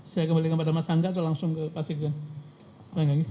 saya kembalikan kepada mas angga atau langsung ke pak sekjen